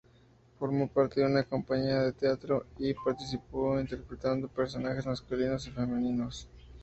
Formó parte de una compañía de teatro y participó interpretando personajes masculinos y femeninos.